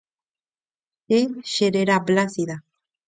Che cheréra Blásida.